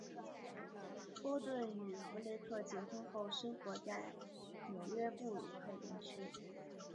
波顿与弗雷克结婚后生活在纽约布鲁克林区。